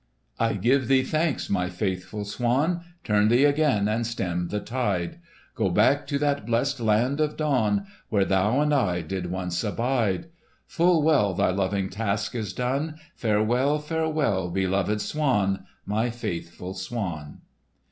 "I give thee thanks, my faithful swan, Turn thee again and stem the tide; Go back to that blest land of dawn Where thou and I did once abide; Full well thy loving task is done, Farewell, farewell, beloved swan! My faithful swan!"